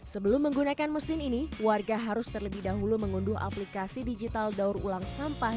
sebelum menggunakan mesin ini warga harus terlebih dahulu mengunduh aplikasi digital daur ulang sampah